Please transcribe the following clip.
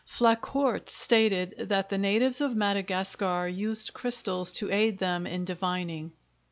Flacourt stated that the natives of Madagascar used crystals to aid them in divining.